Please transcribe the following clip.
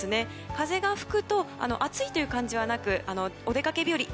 風が吹くと暑いという感じはなくお出かけ日和